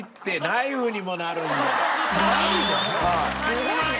すごいね。